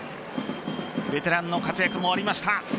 ベテランの活躍もありました。